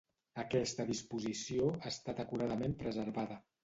Aquesta disposició ha estat acuradament preservada.